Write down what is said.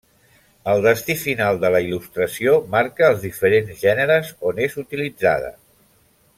El destí final de la il·lustració marca els diferents gèneres on és utilitzada.